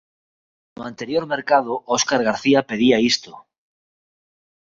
No anterior mercado Óscar García pedía isto...